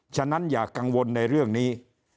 ฉะนั้นอย่ากังวลในเรื่องนี้